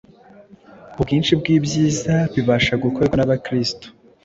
Ubwinshi bw’ibyiza bibasha gukorwa n’Abakristo